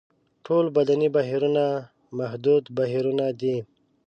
ټول بدني بهیرونه محدود بهیرونه دي.